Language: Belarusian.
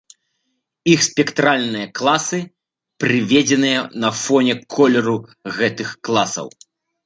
Іх спектральныя класы прыведзены на фоне колеру гэтых класаў.